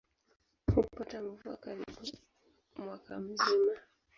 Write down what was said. Hupata mvua karibu mwaka mzima.